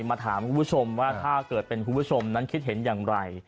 มาถามคุณผู้ชมว่าถ้าเกิดเป็นคุณผู้ชมนั้นคิดเห็นอย่างไร